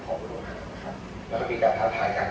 คุณพร้อมกับเต้ย